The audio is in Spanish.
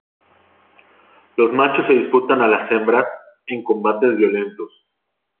Los machos se disputan las hembras en combates violentos.